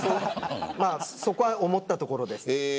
そこは思ったところです。